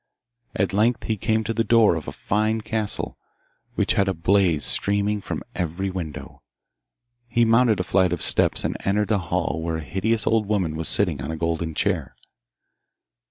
At length he came to the door of a fine castle, which had a blaze streaming from every window. He mounted a flight of steps and entered a hall where a hideous old woman was sitting on a golden chair.